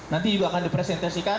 nanti juga akan dipresentasikan